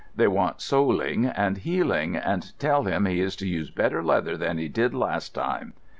They want soling and heeling, and tell him he is to use better leather than he did last time."